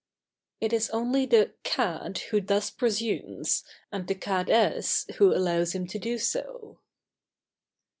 It is only the "cad" who thus presumes, and the "cad ess" who allows him to do so.